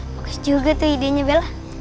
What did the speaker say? bekas juga tuh idenya bella